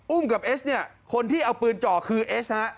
อุ้มกับเอสคนที่เอาปืนจ่อคือเอสนะ